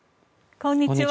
こんにちは。